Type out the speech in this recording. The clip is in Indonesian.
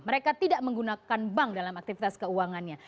mereka tidak menggunakan bank dalam aktivitas keuangannya